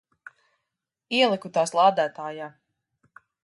Ieliku tās lādētājā.